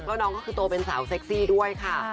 แล้วน้องก็คือโตเป็นสาวเซ็กซี่ด้วยค่ะ